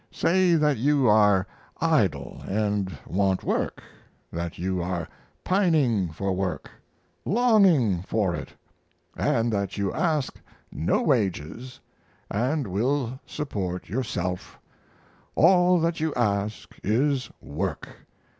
Say that you are idle and want work, that you are pining for work longing for it, and that you ask no wages, and will support yourself. All that you ask is work.